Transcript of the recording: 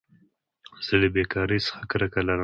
زه له بېکارۍ څخه کرکه لرم.